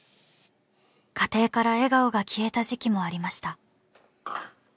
家庭から笑顔が消えた時期もありました。